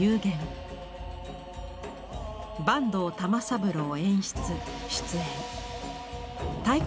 坂東玉三郎演出出演太鼓